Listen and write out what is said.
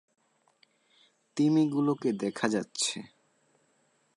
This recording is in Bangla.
তিমিগুলোকে দেখা যাচ্ছে।